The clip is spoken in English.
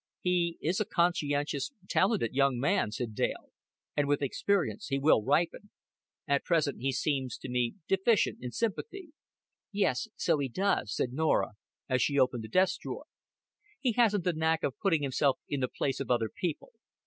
"He is a conscientious talented young man," said Dale; "and with experience he will ripen. At present he seems to me deficient in sympathy." "Yes, so he does," said Norah, as she opened the desk drawer. "He hasn't the knack of putting himself in the place of other people.